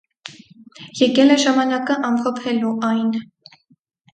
Եկել է ժամանակը ամփոփելու այն։